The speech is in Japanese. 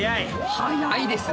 速いですね。